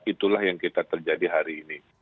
itulah yang kita terjadi hari ini